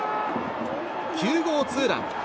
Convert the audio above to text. ９号ツーラン！